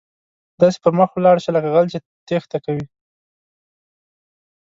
داسې پر مخ ولاړ شه، لکه غل چې ټیښته کوي.